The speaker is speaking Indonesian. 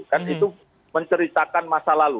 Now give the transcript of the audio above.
kan itu menceritakan masa lalu